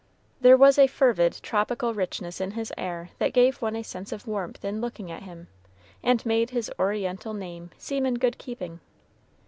There was a fervid, tropical richness in his air that gave one a sense of warmth in looking at him, and made his Oriental name seem in good keeping.